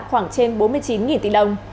khoảng trên bốn mươi chín tỷ đồng